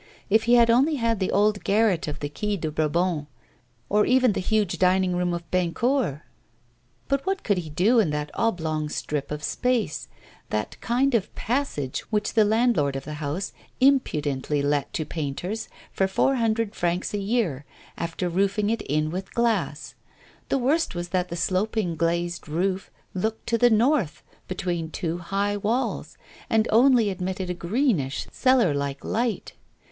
If he had only had the old garret of the Quai de Bourbon, or even the huge dining room of Bennecourt! But what could he do in that oblong strip of space, that kind of passage, which the landlord of the house impudently let to painters for four hundred francs a year, after roofing it in with glass? The worst was that the sloping glazed roof looked to the north, between two high walls, and only admitted a greenish cellar like light.